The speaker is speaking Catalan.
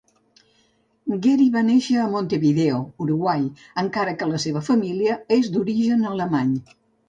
Gary va néixer a Montevideo, Uruguai encara que la seva família és d'origen alemany.